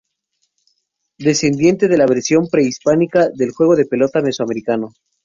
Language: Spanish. Descendiente de la versión pre-hispánica del juego de pelota mesoamericano.